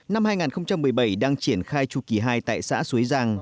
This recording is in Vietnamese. năm hai nghìn một mươi bảy đang triển khai chu kỳ hai tại xã suối giang